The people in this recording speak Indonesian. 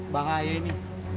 banga aja ini